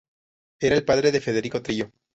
Era el padre de Federico Trillo.